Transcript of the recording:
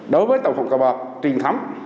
đối với tổng phòng cơ bọc truyền thống